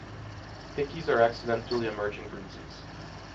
Hickeys are accidentally emerging bruises.